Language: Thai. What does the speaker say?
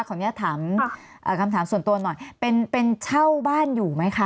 ของเนี้ยถามอ่าคำถามส่วนตัวหน่อยเป็นเป็นเช่าบ้านอยู่ไหมคะ